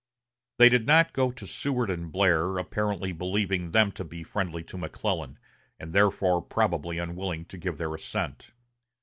They did not go to Seward and Blair, apparently believing them to be friendly to McClellan, and therefore probably unwilling to give their assent.